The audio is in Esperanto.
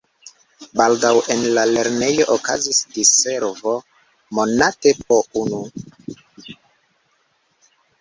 Baldaŭ en la lernejo okazis diservo monate po unu.